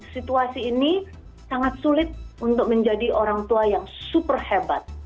situasi ini sangat sulit untuk menjadi orang tua yang super hebat